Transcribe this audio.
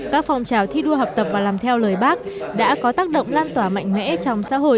các phòng trào thi đua học tập và làm theo lời bác đã có tác động lan tỏa mạnh mẽ trong xã hội